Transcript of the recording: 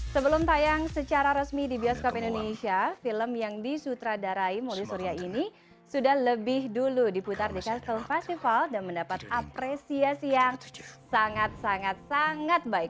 sebelum tayang secara resmi di bioskop indonesia film yang disutradarai moli surya ini sudah lebih dulu diputar di castle festival dan mendapat apresiasi yang sangat sangat sangat baik